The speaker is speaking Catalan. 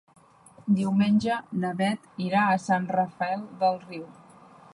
Diumenge na Beth irà a Sant Rafel del Riu.